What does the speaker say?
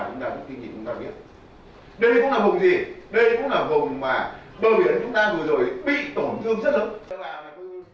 chúng ta cũng kinh nghiệm chúng ta biết đây cũng là vùng gì đây cũng là vùng mà bờ biển chúng ta vừa rồi bị tổn thương rất lắm